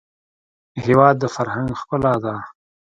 هېواد د فرهنګ ښکلا ده.